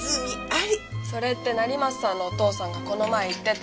それって成増さんのお父さんがこの前言ってた。